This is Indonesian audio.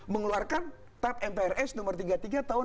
mengeluarkan tap mprs nomor tiga puluh tiga tahun enam puluh tujuh